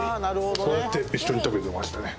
そうやって一緒に食べてましたね。